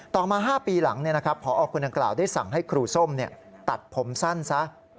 ต่อมา๕ปีหลังพอคนดังกล่าวได้สั่งให้ครูส้มตัดผมสั้นซะ